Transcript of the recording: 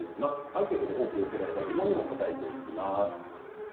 アンケートで寄せられた疑問にもお答えします。